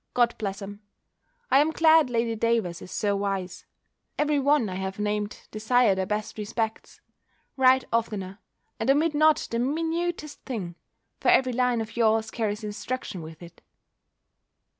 God bless 'em! I am glad Lady Davers is so wise. Every one I have named desire their best respects. Write oftener, and omit not the minutest thing: for every line of yours carries instruction with it.